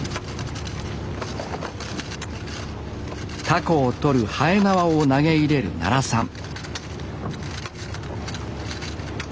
タコを取るはえなわを投げ入れる奈良さん